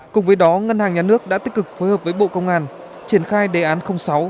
cùng với đó ngân hàng nhà nước đã tích cực phối hợp với bộ công an triển khai đề án sáu